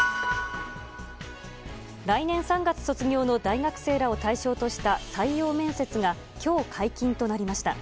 来年３月卒業の大学生らを対象とした採用面接が今日、解禁となりました。